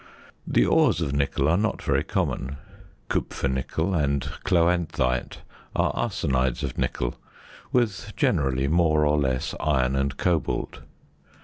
The ores of nickel are not very common. Kupfernickel and chloanthite are arsenides of nickel with, generally, more or less iron and cobalt.